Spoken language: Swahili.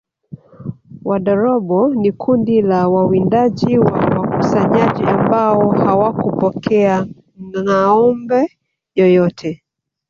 Wadorobo ni kundi la wawindaji na wakusanyaji ambao hawakupokea ngâombe yoyote